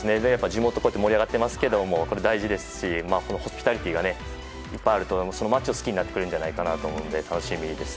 地元とかは盛り上がってますけど大事ですしホスピタリティーがいっぱいあるとその街を好きになってくれるんじゃないかなと思って楽しみです。